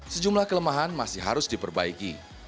sejumlah kelemahan masih harus diperbaiki